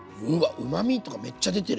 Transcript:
うまみとかめっちゃ出てる。